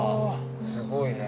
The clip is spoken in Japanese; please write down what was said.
すごいね。